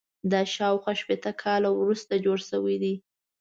دا شاوخوا شپېته کاله وروسته جوړ شوی دی.